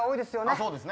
そうですね。